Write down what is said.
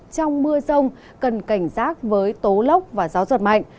trong mưa rông cần cảnh giác với tố lốc và gió giật mạnh